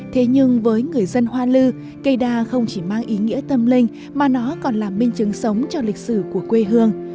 thế nhưng với người dân hoa lư cây đa không chỉ mang ý nghĩa tâm linh mà nó còn là minh chứng sống cho lịch sử của quê hương